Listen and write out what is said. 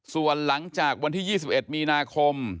ส่วนหลังจากวันที่๒๑มีนาคม